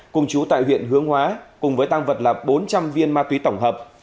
cùng chú tại huyện hướng hóa cùng với tăng vật là bốn trăm linh viên ma túy tổng hợp